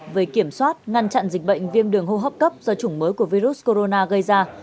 về kiểm soát ngăn chặn dịch bệnh viêm đường hô hấp cấp do chủng mới của virus corona gây ra